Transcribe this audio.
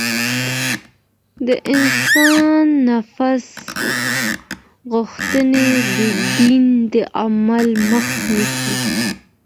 د انسان نفس غوښتنې د دين د عمل مخه نيسي.